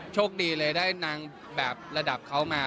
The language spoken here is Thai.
โชคดีเลยได้นางแบบระดับเขามา